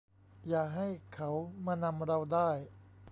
อย่าให้เขามานำเราได้